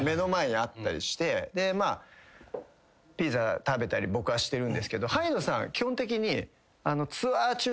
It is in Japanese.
ピザ食べたり僕はしてるんですけど。